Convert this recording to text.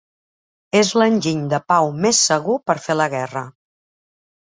Es l'enginy de pau més segur per fer la guerra